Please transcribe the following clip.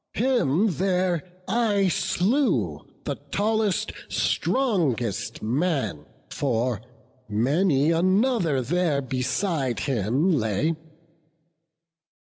Him there I slew, the tallest, strongest man; For many another there beside him lay.